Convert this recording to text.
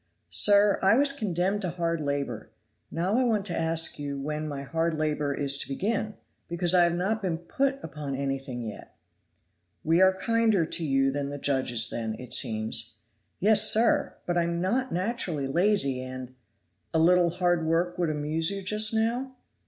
"Sir, I was condemned to hard labor; now I wanted to ask you when my hard labor is to begin, because I have not been put upon anything yet." "We are kinder to you than the judges then, it seems." "Yes, sir! but I am not naturally lazy, and " "A little hard work would amuse you just now?"